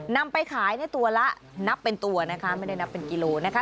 นำไปขายได้ตัวละนับเป็นตัวนะคะไม่ได้นับเป็นกิโลนะคะ